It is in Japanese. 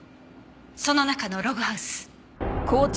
その中のログハウス。